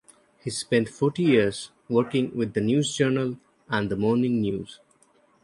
He spent forty years working with "The News Journal" and "The Morning News".